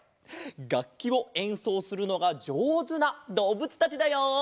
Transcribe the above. がっきをえんそうするのがじょうずなどうぶつたちだよ。